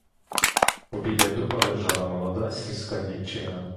Побіля дуба лежала молода сільська дівчина.